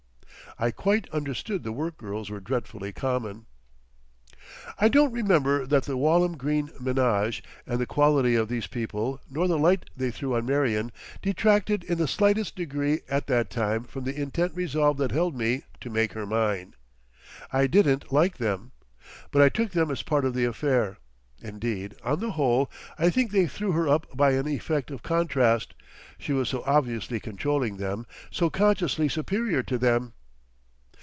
I quite understood the workgirls were dreadfully common. I don't remember that the Walham Green ménage and the quality of these people, nor the light they threw on Marion, detracted in the slightest degree at that time from the intent resolve that held me to make her mine. I didn't like them. But I took them as part of the affair. Indeed, on the whole, I think they threw her up by an effect of contrast; she was so obviously controlling them, so consciously superior to them.